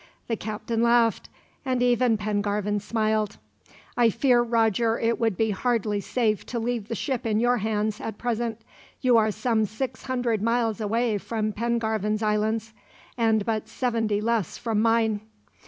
The captain laughed, and even Pengarvan smiled. "I fear, Roger, it would be hardly safe to leave the ship in your hands, at present. You are some six hundred miles away from Pengarvan's islands, and but seventy less from mine.